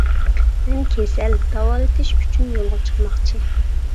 مەن كېسەل داۋالىتىش ئۈچۈن يولغا چىقماقچى.